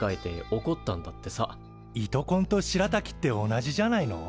糸こんとしらたきって同じじゃないの？